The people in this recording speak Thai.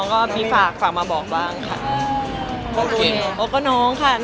ก็ยังไม่เคยเนอะ